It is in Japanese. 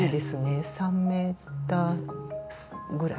３ｍぐらい。